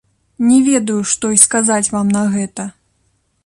Не ведаю, што й сказаць вам на гэта.